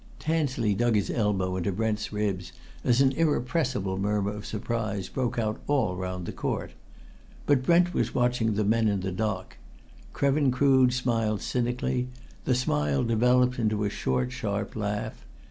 Tansley dug his elbow into Brent's ribs as an irrepressible murmur of surprise broke out all round the court. But Brent was watching the men in the dock. Krevin Crood smiled cynically; the smile developed into a short, sharp laugh.